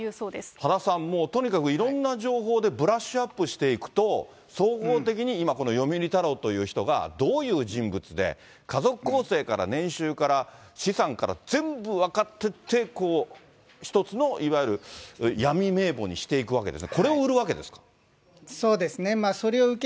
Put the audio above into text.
多田さん、これもう、いろんな情報でブラッシュアップしていくと、総合的に今、この読売太郎という人がどういう人物で、家族構成から年収から、資産から全部分かっていって、一つのいわゆる闇名簿にしていくわけですね。